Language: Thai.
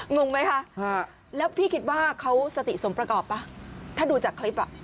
งงไหมคะแล้วพี่คิดว่าเขาสติสมประกอบป่ะถ้าดูจากคลิปอ่ะ